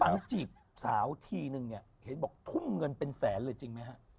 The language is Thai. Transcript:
พี่ปังจีบสาวที่นึงเห็นบอกทุ่มเงินเป็นแสนเลยจริงไหมฮะ